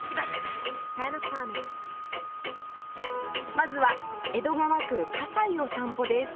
まずは江戸川区西を散歩です